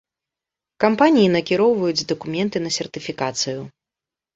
Кампаніі накіроўваюць дакументы на сертыфікацыю.